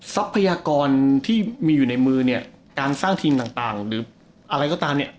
ทรัพยากรที่มีอยู่ในมือเนี่ยการสร้างทีมต่างหรืออะไรก็ตามเนี่ย